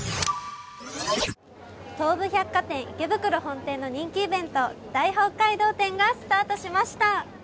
東武百貨店池袋本店の人気イベント、大北海道展がスタートしました。